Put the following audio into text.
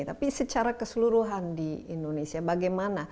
tapi secara keseluruhan di indonesia bagaimana